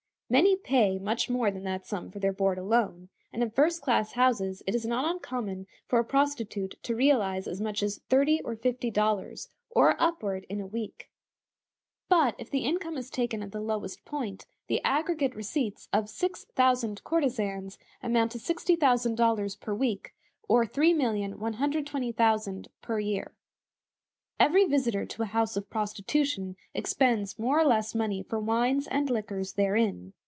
Many pay much more than that sum for their board alone, and in first class houses it is not uncommon for a prostitute to realize as much as thirty or fifty dollars, or upward, in a week. But if the income is taken at the lowest point, the aggregate receipts of six thousand courtesans amount to $60,000 per week, or $3,120,000 per year. Every visitor to a house of prostitution expends more or less money for wines and liquors therein.